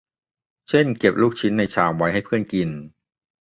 เช่น เก็บลูกชิ้นในชามไว้ให้เพื่อนกิน